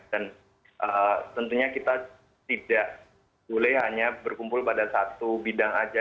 tentunya kita tidak boleh hanya berkumpul pada satu bidang saja